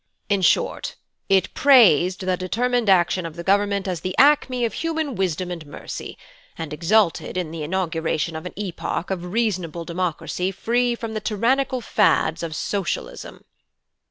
In short, it praised the determined action of the Government as the acme of human wisdom and mercy, and exulted in the inauguration of an epoch of reasonable democracy free from the tyrannical fads of Socialism.